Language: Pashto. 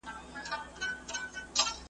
د آدم خان د ربابي اوښکو مزل نه یمه `